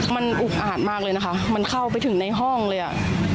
มันอุกอาจมากเลยนะคะมันเข้าไปถึงในห้องเลยอ่ะ